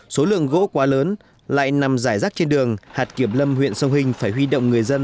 số lượng gỗ quá lớn lại nằm giải rác trên đường hạt kiểm lâm huyện sông hình phải huy động người dân